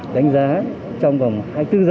đánh giá trong vòng hai mươi bốn h